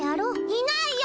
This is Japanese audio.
いないよ！